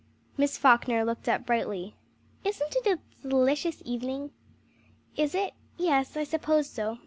Miss Falkner looked up brightly. "Isn't it a delicious evening?" "Is it? Yes, I suppose so.